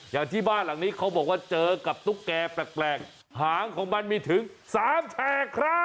ที่บ้านหลังนี้เขาบอกว่าเจอกับตุ๊กแก่แปลกหางของมันมีถึง๓แฉกครับ